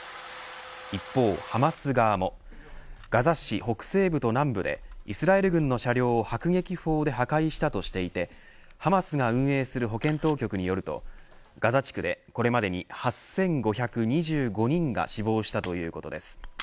一方、ハマス側もガザ市北西部と南部でイスラエル軍の車両を迫撃砲で破壊したとしていてハマスが運営する保健当局によるとガザ地区でこれまでに８５２５人が死亡したということです。